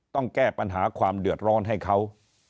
ต้องแก้ปัญหาความเดือดร้อนให้เขา